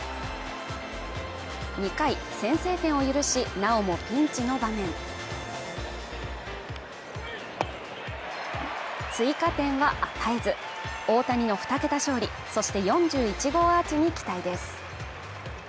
２回先制点を許しなおもピンチの場面追加点は与えず大谷の２桁勝利そして４１号アーチに期待です